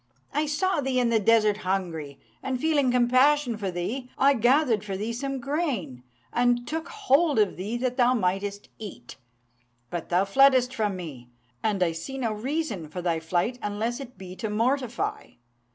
I saw thee in the desert hungry, and, feeling compassion for thee, I gathered for thee some grain, and took hold of thee that thou mightest eat; but thou fleddest from me, and I see no reason for thy flight unless it be to mortify.